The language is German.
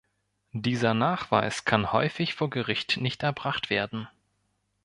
Dieser Nachweis kann häufig vor Gericht nicht erbracht werden.